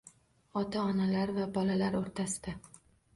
Ota-onalar va bolalar o‘rtasida